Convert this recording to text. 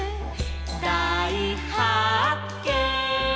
「だいはっけん！」